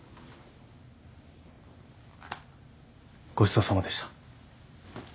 ごちそうさまでした。